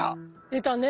出たね。